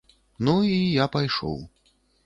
Ну, і я пайшоў.